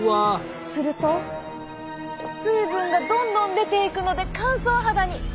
すると水分がどんどん出ていくので乾燥肌に。